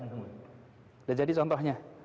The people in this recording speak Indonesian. sudah jadi contohnya